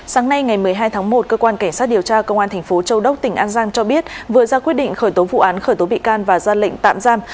sáng nay ngày một mươi hai tháng một cơ quan cảnh sát điều tra công an thành phố châu đốc tỉnh an giang cho biết vừa ra quyết định khởi tố vụ án khởi tố bị can và ra lệnh tạm giam